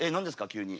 急に。